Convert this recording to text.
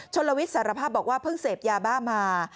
ลวิทย์สารภาพบอกว่าเพิ่งเสพยาบ้ามา